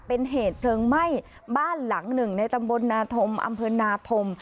เป็นเหตุเพลิงไหม้บ้านหลังหนึ่งในตำบลนาธมอำเภอนาธม